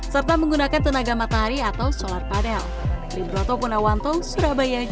serta menggunakan tenaga matahari atau solar panel